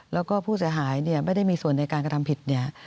แล้วก็ผู้เสียหายเนี่ยไม่ได้มีส่วนในการกระทำผิดเนี่ย